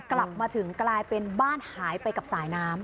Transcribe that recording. กลับมาถึงกลายเป็นบ้านหายไปกับสายน้ำ